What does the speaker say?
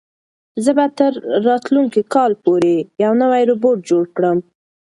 زه به تر راتلونکي کال پورې یو نوی روبوټ جوړ کړم.